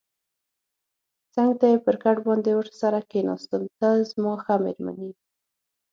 څنګ ته یې پر کټ باندې ورسره کېناستم، ته زما ښه مېرمن یې.